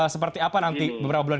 seperti apa nanti beberapa bulan